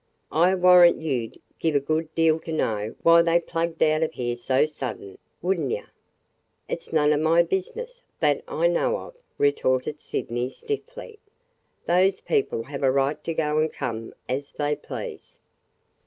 "I 'll warrant you 'd give a good deal to know why they plugged out o' here so sudden, would n't ye?" "It 's none of my business, that I know of," retorted Sydney stiffly. "Those people have a right to go and come as they please."